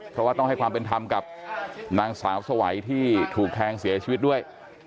เพราะว่าต้องให้ความเป็นธรรมกับนางสาวสวัยที่ถูกแทงเสียชีวิตด้วย